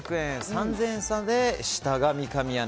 ３０００円差で、下が三上アナ